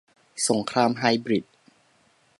สงครามไฮบริด